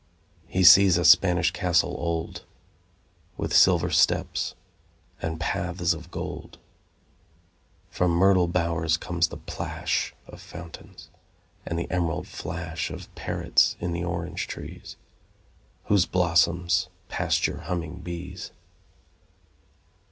He sees a Spanish Castle old, With silver steps and paths of gold. From myrtle bowers comes the plash Of fountains, and the emerald flash Of parrots in the orange trees, Whose blossoms pasture humming bees.